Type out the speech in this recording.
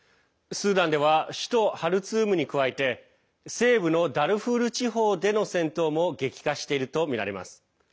スーダンでは首都ハルツームに加えて西部のダルフール地方での戦闘も激化しているとみられます。